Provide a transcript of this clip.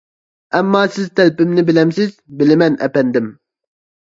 ئەمما سىز تەلىپىمنى بىلەمسىز؟ — بىلىمەن، ئەپەندىم.